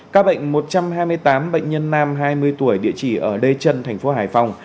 ca bệnh một trăm hai mươi tám bệnh nhân nam hai mươi tuổi địa chỉ ở đê trân tp hcm